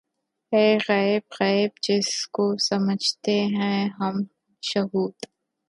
ہے غیب غیب‘ جس کو سمجھتے ہیں ہم شہود